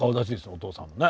お父さんもね。